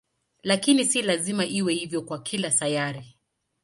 Lakini si lazima iwe hivyo kwa kila sayari.